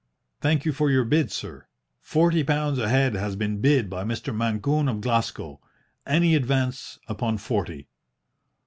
"Thank you for your bid, sir. Forty pounds a head has been bid by Mr. Mancune of Glasgow. Any advance upon forty?"